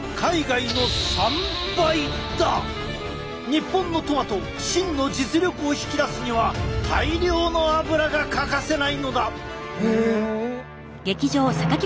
日本のトマト真の実力を引き出すには大量の油が欠かせないのだ！